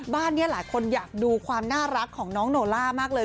บ้านนี้หลายคนอยากดูความน่ารักของน้องโนล่ามากเลย